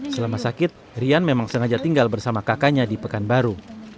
selama sakit rian memang sengaja tinggal bersama kakaknya di pekanbaru